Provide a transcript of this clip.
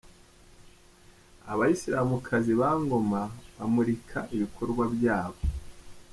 Abayisilamukazi ba Ngoma bamurika ibikorwa byabo.